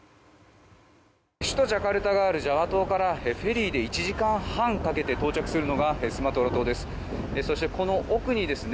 首都ジャカルタがあるジャワ島からフェリーで１時間半かけて到着するのがスマトラ島です。